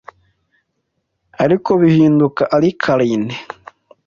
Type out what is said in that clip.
ariko bihinduka alkaline